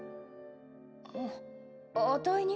ああたいに？